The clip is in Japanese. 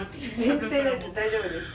全然大丈夫です。